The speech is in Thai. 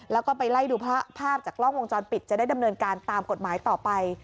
แล้วก็ไปไล่ดูภาพจากกล้องวงจรปิดจะได้ดำเนินการตามกฎหมายต่อไป